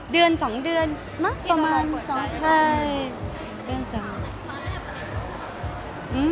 เดือนสองเดือนประมาณสองเดือน